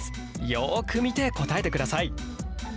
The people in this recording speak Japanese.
よく見て答えてください。